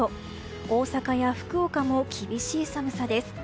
大阪や福岡も厳しい寒さです。